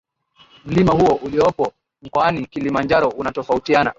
Mlima huo uliopo mkoani Kilimanjaro unatofautiana